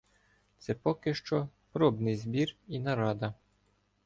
Це поки що пробний збір і нарада.